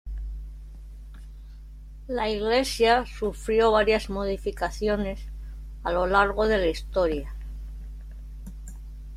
La iglesia sufrió varias modificaciones a lo largo de la historia.